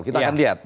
kita akan lihat